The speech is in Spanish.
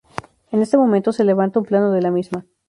En este momento se levanta un plano de la misma.